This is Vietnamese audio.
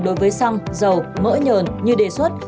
đối với xăng dầu mỡ nhờn như đề xuất